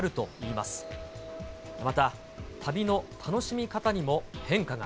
また、旅の楽しみ方にも変化が。